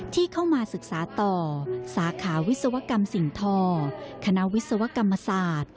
ที่เข้ามาศึกษาต่อสาขาวิศวกรรมสิ่งทอคณะวิศวกรรมศาสตร์